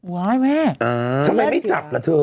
ว้ายแม่เออเย็ดเฉียวอ้าวทำไมไม่จับหรอเธอ